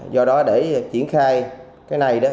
do đó để triển khai cái này đó